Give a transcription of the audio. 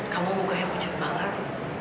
kamu mukanya pucat banget